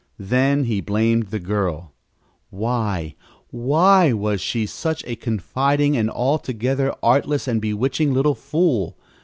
Then he blamed the girl. Why, why was she such a confiding and altogether artless and bewitching little fool?